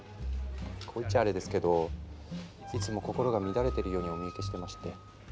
こう言っちゃアレですけどいつも心が乱れているようにお見受けしてまして。